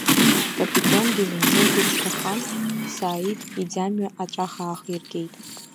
Капитонгьы зынӡа игәы ԥшқахан, Сааид иӡамҩа аҵәах аахиргеит.